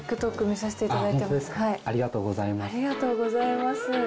ありがとうございます。